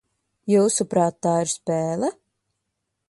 Jūsuprāt, tā ir spēle?